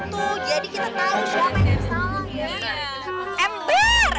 jadi kita tahu siapa yang bersalah